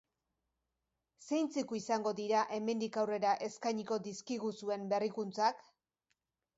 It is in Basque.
Zeintzuk izango dira hemendik aurrera eskainiko dizkiguzuen berrikuntzak?